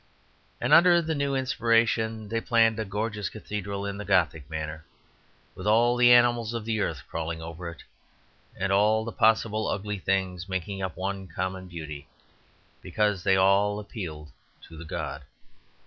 And under the new inspiration they planned a gorgeous cathedral in the Gothic manner, with all the animals of the earth crawling over it, and all the possible ugly things making up one common beauty, because they all appealed to the god.